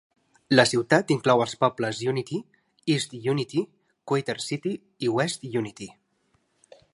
La ciutat inclou els pobles Unity, East Unity, Quaker City i West Unity.